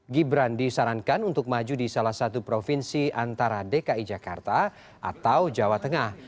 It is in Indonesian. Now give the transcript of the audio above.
gibran disarankan untuk maju di salah satu provinsi antara dki jakarta atau jawa tengah